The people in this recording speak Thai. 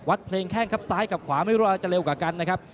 เพลงแข้งครับซ้ายกับขวาไม่รู้ว่าจะเร็วกว่ากันนะครับ